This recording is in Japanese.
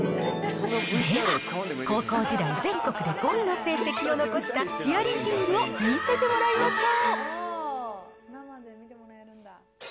では、高校時代、全国で５位の成績を残したチアリーディングを見せてもらいましょう。